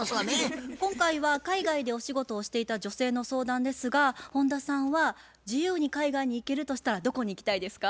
今回は海外でお仕事をしていた女性の相談ですが本田さんは自由に海外に行けるとしたらどこに行きたいですか？